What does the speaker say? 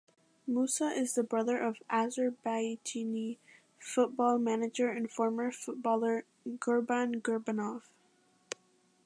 Musa is the brother of Azerbaijani football manager and former footballer Gurban Gurbanov.